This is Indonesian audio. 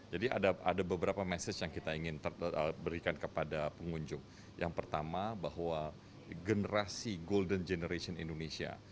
jadi ada beberapa message yang kita ingin berikan kepada pengunjung yang pertama bahwa generasi golden generation indonesia